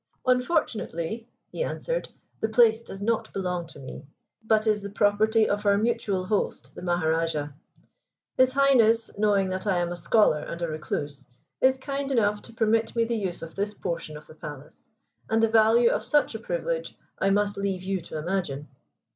"Unfortunately," he answered, "the place does not belong to me, but is the property of our mutual host, the Maharajah. His Highness, knowing that I am a scholar and a recluse, is kind enough to permit me the use of this portion of the palace; and the value of such a privilege I must leave you to imagine."